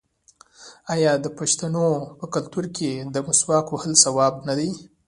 آیا د پښتنو په کلتور کې د مسواک وهل ثواب نه دی؟